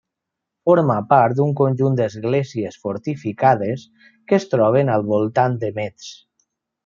Forma part d'un conjunt d'esglésies fortificades que es troben al voltant de Metz.